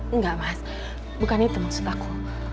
enggak mas bukan itu maksud aku